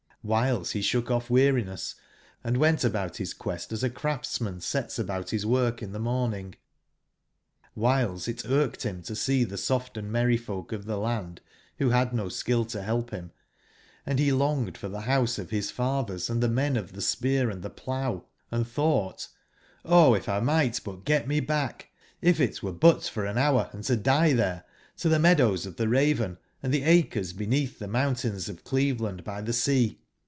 CQhiles he shook off weariness, and went about his quest as a craftsman sets about his work in the morning. Whiles it irked him to see the soft and merry folk of the land, who had no skill to help him, & he longed for the house of his fathers & the men of the spear & the plough ; and thought: '' Oh, if 1 might but get me back, if it were but for an hour and to die there, to the mea dows of the Raven, and the acres beneath the moun/ tains of Cleveland by the Sea.